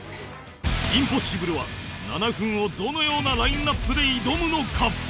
インポッシブルは７分をどのようなラインアップで挑むのか？